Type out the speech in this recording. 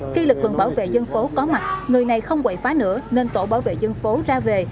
khi lực lượng bảo vệ dân phố có mặt người này không quậy phá nữa nên tổ bảo vệ dân phố ra về